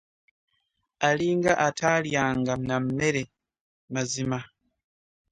Alinga ataalyanga na mmere mazima.